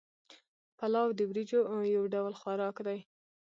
پلاو د وریجو یو ډول خوراک دی